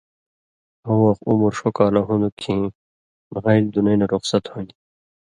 کؤں وخ عُمر ݜو کالہ ہُون٘دوۡ کھیں مھالیۡ دُنَیں نہ رُخصت ہُوۡن٘دیۡ؛